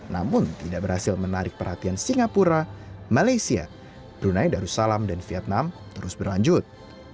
namun tidak berhasil menarik perhatian singapura malaysia brunei darussalam dan vietnam terus berlanjut